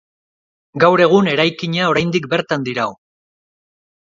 Gaur egun eraikina oraindik bertan dirau.